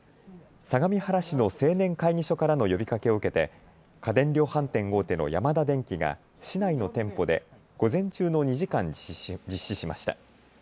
相模原市の青年会議所からの呼びかけを受けて家電量販店大手のヤマダデンキが市内の店舗で午前中の２時間実施しました。